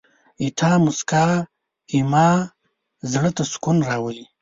ستا مسکا زما زړه ته سکون راولي.